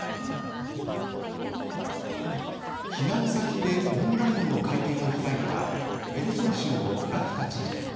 避難先でオンラインの会見を開いたヘルソン州のラフタ知事。